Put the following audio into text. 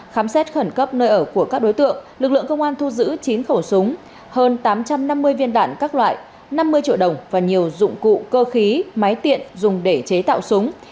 khám xét khẩn cấp nơi ở của các đối tượng lực lượng công an thu giữ chín khẩu súng hơn tám trăm năm mươi viên đạn các loại năm mươi triệu đồng và nhiều dụng cụ cơ khí máy tiện dùng để chế tạo súng